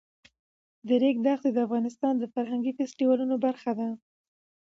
د ریګ دښتې د افغانستان د فرهنګي فستیوالونو برخه ده.